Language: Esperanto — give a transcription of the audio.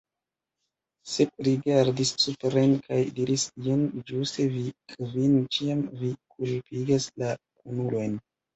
Sep rigardis supren kaj diris: "Jen ĝuste vi, Kvin; ĉiam vi kulpigas la kunulojn."